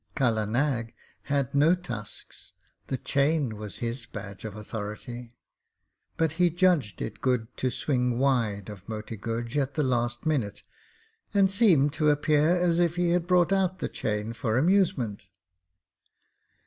Kala Nag had no tusks; the chain was his badge of authority; but he judged it good to swing wide of Moti Guj at the last minute, and seem to appear as if he had brought out the chain for amusement.